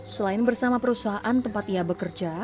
selain bersama perusahaan tempat ia bekerja